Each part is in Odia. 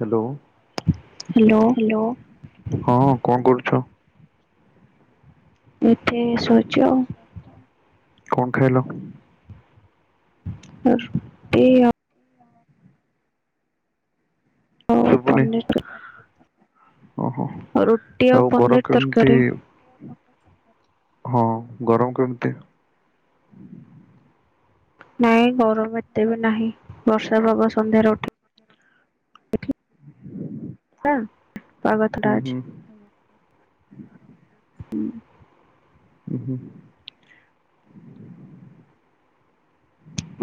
ହ୍ୟାଲୋ। ହ୍ୟାଲୋ। ହ୍ୟାଲୋ। ହଁ କଣ କରୁଛ? ଏତେ ସୋଇଛୁ ଆଉ। କଣ ଖାଇଲ? ସେ ରୁଟି ଆଉ ଶୁବୁନି ପନିର ଓହୋ ରୁଟି ଆଉ ପନିର ଗରମ ତରକାରୀ କେମିତି? ହଁ ଗରମ କେମିତି? ନାଇଁ ଗରମ ଏତେ ବି ନାହିଁ ବର୍ଷା ଭାଗ ସନ୍ଧ୍ୟାରେ ଉଠେ। ପାଗ ହୁଁ ଥଣ୍ତା ଅଛି। ହୁଁ ହୁଁ। ଓୁ ହୋ।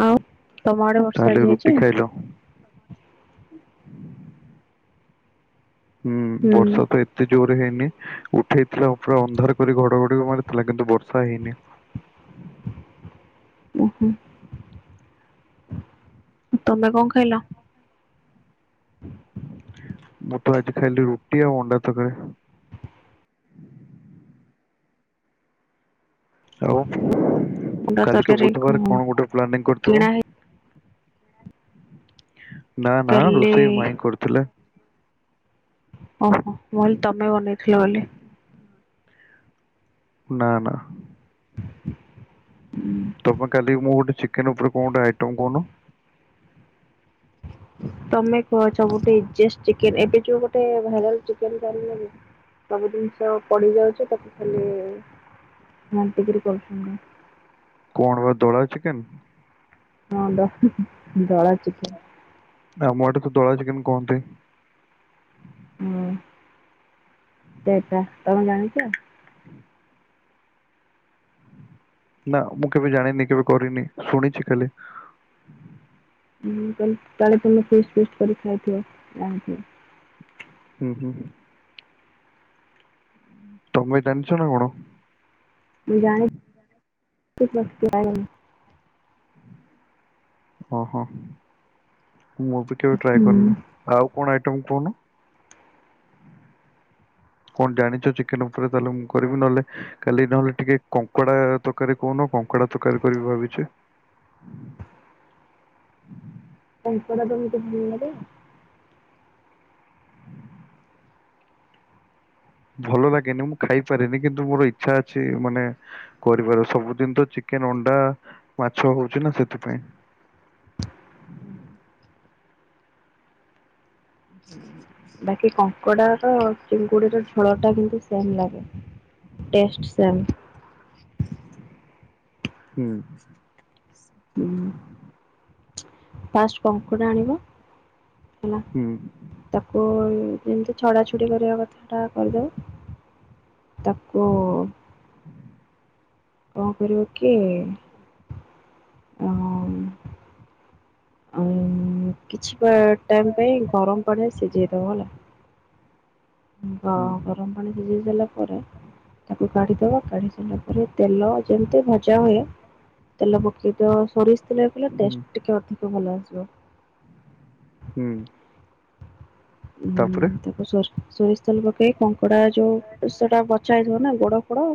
ଆଉ ତମର ଆଡ଼େ ବର୍ଷା ତାହେଲେ ରୁଟି ହେଇଛି? ଖାଇଲ ହୁଁ ବର୍ଷା ତ ଏ ଏତେ ଜୋରରେ ହେଇନି ଉଠେଇଥିଲା ପୁରା ଅନ୍ଧାର କରି ଘଡଘଡି ମାରିଥିଲା କିନ୍ତୁ ବର୍ଷା ହେଇନି। ଉଁ ହୁଁ ତମେ କଣ ଖାଇଲ? ହ ମୁଁ ତ ଆଜି ଖାଇଲି ରୁଟି ଆଉ ଅଣ୍ଡା ତକାରି। ଆଉ ଅଣ୍ଡା କାଲି ତ ତରକାରୀ ବୁଧବାର କଣ ଗୋଟେ ପ୍ଲାନିଂ କିଣା କରିଥିବ। ହେଇ ନା ନା କାଲି ରୋଷେଇ ମାଇଁ କରୁଥିଲେ। ଓହୋ ମୁଁ ହଲେ ତମେ ବନେଇଥିଲ ବୋଲି। ନା ନା ଉଁ ତମେ କାଲିି ମୁଁ ଗୋଟେଚିକେନ ଉପରେ କଁ ଗୋଟେ ଆଇଟମ୍ କହୁନ ତମେ କୁହଛ ଗୋଟେଜେଷ୍ଟ ଚିକେନ ଏବେ ଯୋଉ ଗୋଟେ ଭାଇରାଲ ଚିକେନ [unintelligible] ସବୁ ଜିନିଷ ପଡ଼ିିଯାଉଛି ତାକୁ ଖାଲି ଘାଣ୍ଟି କିରି କରୁଛନ୍ତି। କଣ ବା ଦଳା ଚିକେନ। ହଁ ବା ଦଳା ଚିକେନ। ଆମ ଆଡେ ତ ଦଳା ଚିକେନ କୁହନ୍ତି। ହୁଁ ସେଇଟା ତମେ ଜାଣିଛ? ନା ମୁଁ କେବେ ଜାଣିନି କେବେ କରିନି ଶୁଣିଛି ଖାଲି। କାଳେ ମୁଁ କହିଲି ତମେ ଫିଷ୍ଟ ଫିଷ୍ଟ କରି ଖାଇଥିବ ଜାଣିଥିବ। ହୁଁ ହୁଁ। ତମ ଜାଣିଛ ନା କଣ। ମୁ ଜାଣି [unintelligible] ଓହୋ ମୁଁ ବି କେବେ ଟ୍ରାଏ କରିନି ଆଉ କଣ ଆଇଟମ୍ କହୁନ। କଣ ଜାଣିଛ ଚିକେନ ଉପରେ ତାହେଲେ ମୁଁ କରିବି ନହେଲେ କାଲି ନହେଲେ ଟିକେ କଙ୍କଡା ତକାରୀ କହୁନ କଙ୍କଡା ତରକାରୀ କରିବି ଭାବିଚି। ଙ୍କଙ୍କଡା ତମକୁ ଭଲ ଲାଗେ। ଭଲ ଲାଗେନି ମୁଁ ଖାଇପାରେନି କିନ୍ତୁ ମୋର ଇଚ୍ଛା ଅଛି ମାନେ କରିବାର ସବୁଦିନ ତ ଚିକେନ ଅଣ୍ଡା ମାଛ ହଉଛି ନା ସେଥିପାଇଁ। ବାକି କଙ୍କଡା ର ଚିଙ୍ଗୁଡିର ଝୋଳ ଟା କିନ୍ତୁ ସେମ ଲାଗେ। Test same. ହୁଁ। ହୁଁ। ଫାଷ୍ଟ କଙ୍କୁଡ଼ା ଆଣିବ ହେଲା ହୁଁ ତାକୁ ଯେମିତି ଛଡା ଛଡି କରିବା କଥା ଟା କରିଦବ ତାକୁ କଣ କରିବ କି ଆ ଆ କିଛି ଟାଇମ ପାଇଁ ଗରମ ପାଣି ସିଝେଇଦବ ହେଲା ବା ହୁଁ ଗରମ ପାଣି ସିଝେଇ ଦେଲା ପରେ ତାକୁ କାଢି ଦବ କାଢି ସାରିଲା ପରେ ତେଲ ଯେମିତି ଭଜା ହୁଏ। ତେଲ ପକେଇଦିଅ ସୋରିଷ ତେଲିଲ ହୁଁ ଟେଷ୍ଟ ଟିକେ ଅଧିକ ଭଲ ଆସିବ। ହୁଁ। ହୁଁ ତାପରେ ତାପ ସୋ ସୋରି ତେଲ ପକେଇ କଙ୍କଡା ଯୋଉ ସେଟା ବଚାଥିବ ନା ଗୋଡ ଫୋଡ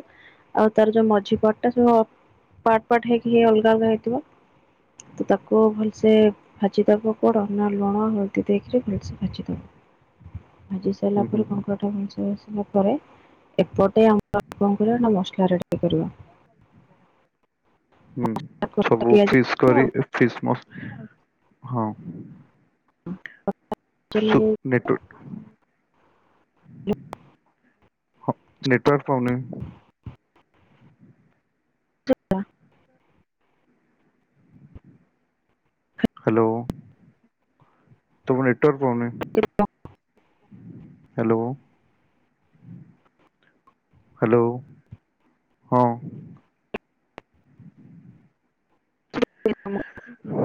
ଆଉ ତାର ଯୋଉ ମଝି ପଟା ସବୁ ପାର୍ଟ ପାର୍ଟ ହେଇକି ହେଇ ଅଲଗା ଅଲଗା ହେଇଥିବ। ତ ତାକୁ ଭଲସେ ଭାଜିଦବ କଣ ନା ଲୁଣ ହଳଦୀ ଦେଇକରି ଭଲସେ ଭାଜିଦବ। ଭାଜି ସାରିଲା ହୁଁ ହୁଁ। ପରେ କଙ୍କଡ଼ ଟା ଭଲସେ ଭାଜି ସାରିଲା ପରେ ଏପଟେ ଆମର କଁ କରିବ ନା ମସଲା ରେଡି କରିବ ହୁଁ ସବୁ ପିଆଜ ଫିସ୍ କରି ଫିସ୍ ମ ହଁ। ସୁ ନେଟୁ ହ ନେଟୱର୍କ ପାଉନି? ସେଇଆ। ହାଲୋ ତୁମ ନେଟୱର୍କ ପାଉନି? ହାଲୋ। ହାଲୋ ହଁ। ଟିକେ ଫୁଲ୍ କାମ। ହଁ।